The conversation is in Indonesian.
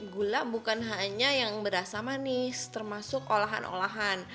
gula bukan hanya yang berasa manis termasuk olahan olahan